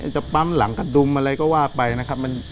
จะปั๊มหลังกระดุมอะไรก็ว่าไปนะครับ